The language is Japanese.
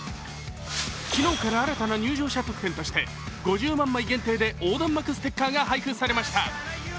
昨日から新たな入場者特典として５０万枚限定で横断幕ステッカーが配布されました。